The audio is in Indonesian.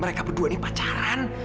mereka berdua ini pacaran